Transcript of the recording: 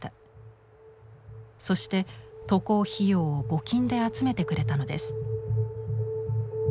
そして渡航費用を募金で集めてくれたのです。